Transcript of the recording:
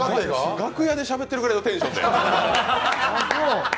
楽屋でしゃべってるくらいのテンションで。